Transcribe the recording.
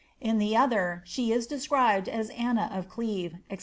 In the other, she is described as Anna of Cleve, &c.